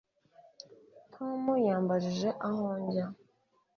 Tom yambajije aho njya